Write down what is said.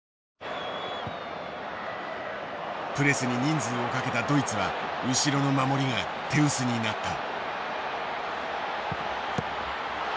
プレスに人数をかけたドイツは後ろの守りが手薄になった。